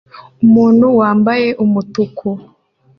Umuntu wambaye umutuku